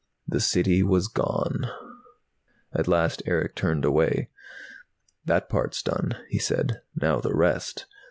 The City was gone. At last Erick turned away. "That part's done," he said. "Now the rest!